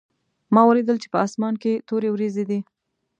ما ولیدل چې په اسمان کې تورې وریځې دي